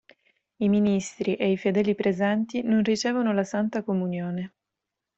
I ministri e i fedeli presenti non ricevono la santa comunione.